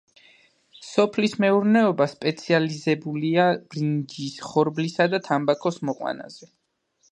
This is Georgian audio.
სოფლის მეურნეობა სპეციალიზებულია ბრინჯის, ხორბლისა და თამბაქოს მოყვანაზე.